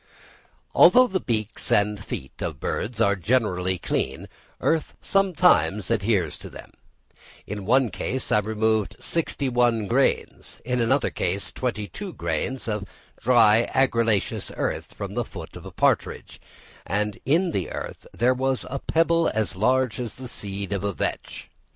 Although the beaks and feet of birds are generally clean, earth sometimes adheres to them: in one case I removed sixty one grains, and in another case twenty two grains of dry argillaceous earth from the foot of a partridge, and in the earth there was a pebble as large as the seed of a vetch.